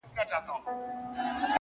مړ مه سې؛ د بل ژوند د باب وخت ته؛